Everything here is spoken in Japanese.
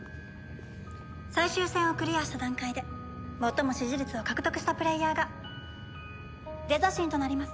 最終戦をクリアした段階で最も支持率を獲得したプレーヤーがデザ神となります。